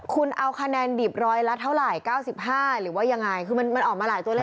คุณเอาคะแนนดิบร้อยละเท่าไหร่๙๕หรือว่ายังไงคือมันออกมาหลายตัวเลข